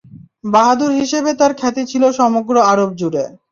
বাহাদুর হিসেবে তার খ্যাতি ছিল সমগ্র আরব জুড়ে।